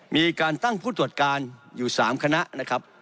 มีการตั้งผู้ตรวจการอยู่๓คณะนะครับ